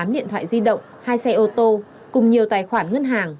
tám điện thoại di động hai xe ô tô cùng nhiều tài khoản ngân hàng